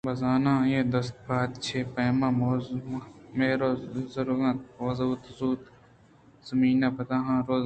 بہ زاں آئی ءِ دستءُ پاد چہ پیم مُہرءُ زِرٛنگ اَنتءُ زوت زُوت ءَزِمینءَپتاہانءُ روگءَاَنت